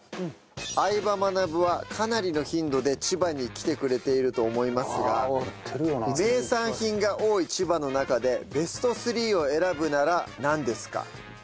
『相葉マナブ』はかなりの頻度で千葉に来てくれていると思いますが名産品が多い千葉の中でベスト３を選ぶならなんですか？